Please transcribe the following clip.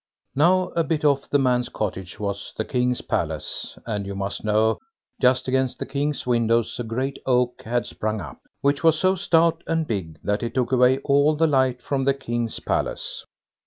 Now, a bit off the man's cottage was the king's palace, and you must know, just against the king's windows a great oak had sprung up, which was so stout and big that it took away all the light from the king's palace.